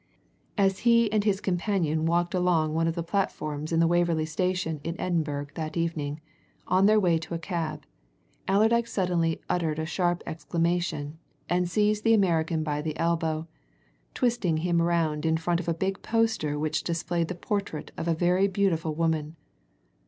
As he and his companion walked along one of the platforms in the Waverley Station in Edinburgh that evening, on their way to a cab, Allerdyke suddenly uttered a sharp exclamation and seized the American by the elbow, twisting him round in front of a big poster which displayed the portrait of a very beautiful woman.